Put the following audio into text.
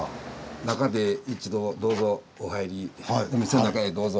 中で一度どうぞお入りお店の中へどうぞ。